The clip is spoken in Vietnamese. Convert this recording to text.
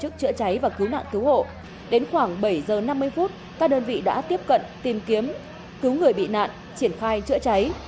các đơn vị đã tiếp cận tìm kiếm cứu người bị nạn triển khai chữa cháy